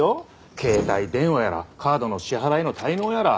携帯電話やらカードの支払いの滞納やら。